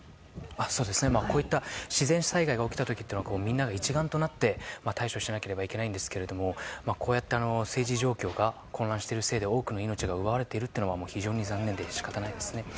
こういった自然災害が起きた時というのはみんなが一丸となって対処しなければいけないんですがこうやって政治状況が混乱しているせいで多くの命が奪われているというのは非常に残念で仕方ないですね。